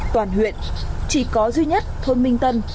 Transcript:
toàn huyện chỉ có duy nhất thôn minh tân